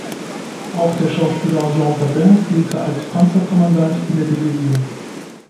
Auch der Schauspieler Jean Gabin diente als Panzerkommandant in der Division.